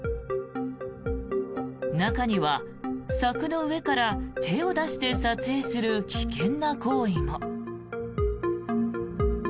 中には柵の上から手を出して撮影する危険な行為も。